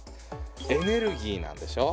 「エネルギー」なんでしょ？